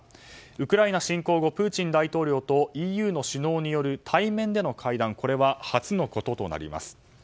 ウクライナ侵攻後プーチン大統領とＥＵの首脳による対面での会談は初のこととなります。